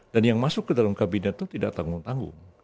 dan yang masuk ke dalam kabinet itu tidak tanggung tanggung